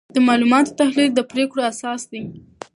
د معلوماتو تحلیل د پریکړو اساس دی.